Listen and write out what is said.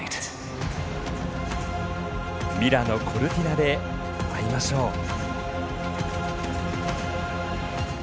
ミラノ・コルティナで会いましょう。